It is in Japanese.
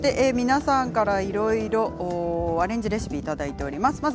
皆さんからいろいろアレンジレシピをいただいております。